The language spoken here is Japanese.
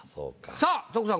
さあ徳さん